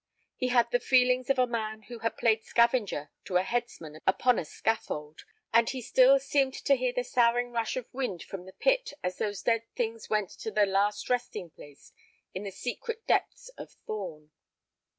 He had the feelings of a man who had played scavenger to a headsman upon a scaffold, and he still seemed to hear the soughing rush of wind from the pit as those dead things went to their last resting place in the secret depths of Thorn.